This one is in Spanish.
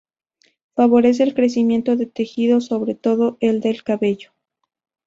Favorece el crecimiento de tejidos, sobre todo el del cabello.